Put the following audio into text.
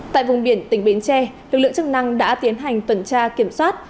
tại vùng biển tỉnh bến tre lực lượng chức năng đã tiến hành tuần tra kiểm soát